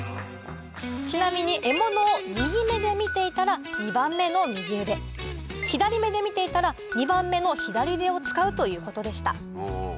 ちなみに獲物を右目で見ていたら２番目の右腕左目で見ていたら２番目の左腕を使うということでした。